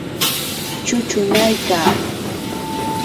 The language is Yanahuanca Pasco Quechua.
chuchunaykaa.